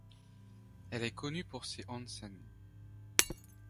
Elle est connue pour ses onsens.